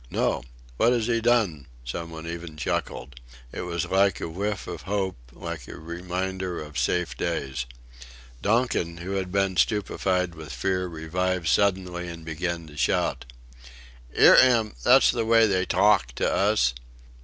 "No!".... "What 'as he done?" Some one even chuckled. It was like a whiff of hope, like a reminder of safe days. Donkin, who had been stupefied with fear, revived suddenly and began to shout: "'Ear 'im; that's the way they tawlk to us.